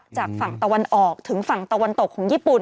จากฝั่งตะวันออกถึงฝั่งตะวันตกของญี่ปุ่น